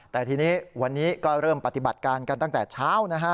แต่ทีนี้วันนี้ก็เริ่มปฏิบัติการกันตั้งแต่เช้านะฮะ